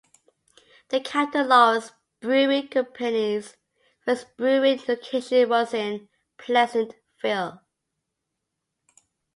The Captain Lawrence Brewing Company's first brewing location was in Pleasantville.